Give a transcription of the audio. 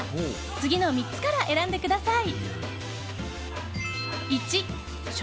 次の３つから選んでください。